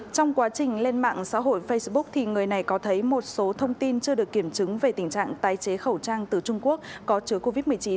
trong quá trình lên mạng xã hội facebook người này có thấy một số thông tin chưa được kiểm chứng về tình trạng tái chế khẩu trang từ trung quốc có chứa covid một mươi chín